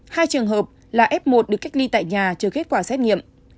hai trường hợp là f một được cách ly tại nhà chờ kết quả xét nghiệm